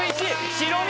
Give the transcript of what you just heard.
白身